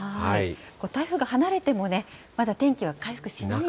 台風が離れてもね、まだ天気は回復しないんですね。